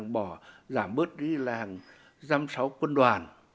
bỏ giảm bớt đi là hàng giám sáu quân đoàn